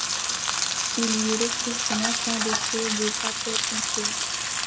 Il y retrouve son ancien dossier des sapeurs-pompiers.